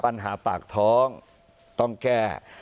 ปัญหาปากท้องต้องแก้